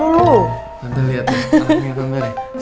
nanti liat nih nanti liat kamer ya